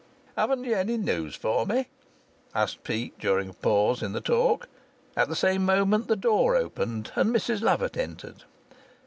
"Haven't you any news for me?" asked Peake, during a pause in the talk. At the same moment the door opened and Mrs Lovatt entered.